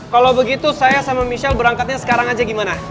kalau begitu saya sama michelle berangkatnya sekarang aja gimana